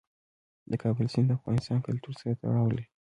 د کابل سیند د افغان کلتور سره تړاو لري.